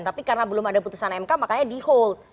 tapi karena belum ada putusan mk makanya di hold